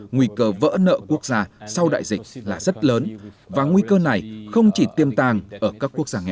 nguy cơ vỡ nợ quốc gia sau đại dịch là rất lớn và nguy cơ này không chỉ tiêm tàng ở các quốc gia nghèo